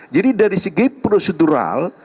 jadi dari segi prosedural